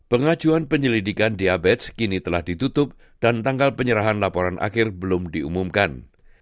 pengajuan penyelidikan diabetes kini telah ditutup dan tanggal penyerahan laporan akhir belum diumumkan